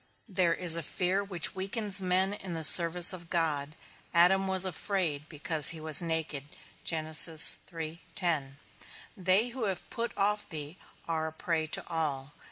There is a fear which weakens men in the service of God. Adam was afraid, because he was naked. They who have put off thee are a prey to all.